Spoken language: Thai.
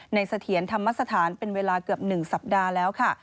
เสถียรธรรมสถานเป็นเวลาเกือบ๑สัปดาห์แล้วค่ะ